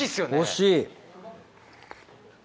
惜しい。